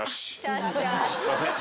すいません。